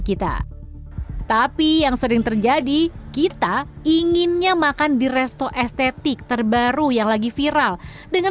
kita tapi yang sering terjadi kita inginnya makan di resto estetik terbaru yang lagi viral dengan